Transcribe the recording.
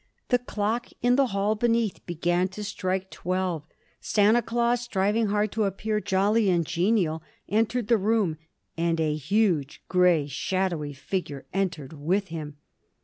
The clock in the hall beneath began to strike twelve. Santa Claus, striving hard to appear jolly and genial, entered the room, and a huge grey, shadowy figure entered with him.